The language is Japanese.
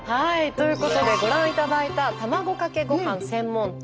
ということでご覧頂いた卵かけご飯専門店。